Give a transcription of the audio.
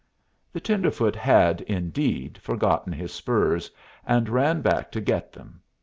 The tenderfoot had, indeed, forgotten his spurs, and he ran back to get them.